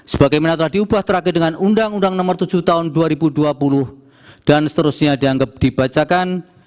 sebagaimana telah diubah terakhir dengan undang undang nomor tujuh tahun dua ribu dua puluh dan seterusnya dianggap dibacakan